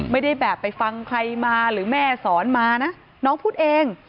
ไม่ได้แบบไปฟังใครมาหรือแม่สอนมานะน้องพูดเอง